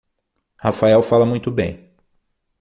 Rafael fala muito bem.